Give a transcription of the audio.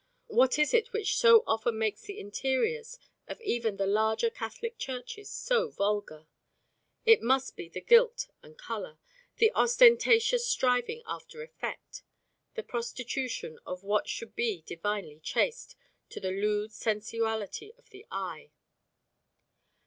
What is it which so often makes the interiors of even the larger Catholic churches so vulgar? It must be the gilt and colour, the ostentatious striving after effect, the prostitution of what should be divinely chaste to the lewd sensuality of the eye.